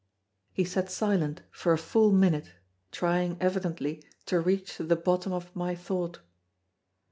He sat silent for a full minute, trying evidently to reach to the bottom of my thought.